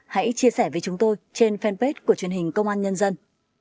hãy chia sẻ với chúng tôi trên fanpage của truyền hình công an nhân dân